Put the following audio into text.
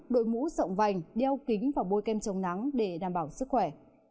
đội mũ rộng vành đeo kính và bôi kem chống nắng để đảm bảo sức khỏe